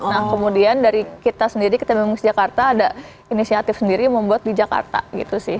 nah kemudian dari kita sendiri ketimbang jakarta ada inisiatif sendiri membuat di jakarta gitu sih